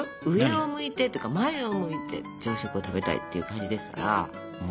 上を向いてっていうか前を向いて朝食を食べたいっていう感じですから。